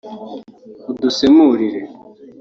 udusemurire